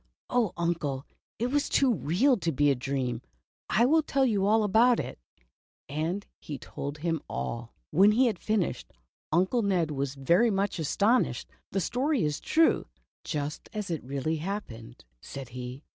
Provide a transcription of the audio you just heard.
"Oh, Uncle, it was too real to be a dream, I will tell you about it," and he told him all. When he had finished. Uncle Ned was very much astonished. "The story is true, just as it really happened," said he.